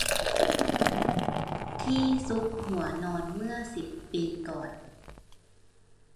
ที่ซุกหัวนอนเมื่อสิบปีก่อน